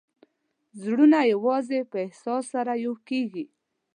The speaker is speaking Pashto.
زړونه یوازې په احساس سره یو کېږي.